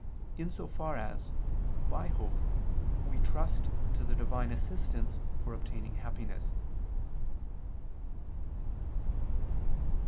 in so far as, by hope, we trust to the Divine assistance for obtaining happiness.